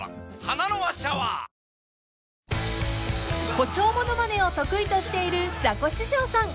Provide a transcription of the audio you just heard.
［誇張物まねを得意としているザコシショウさん］